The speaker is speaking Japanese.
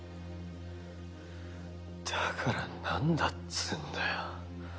だからなんだっつぅんだよ。